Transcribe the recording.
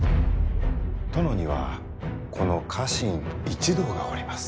殿にはこの家臣一同がおります。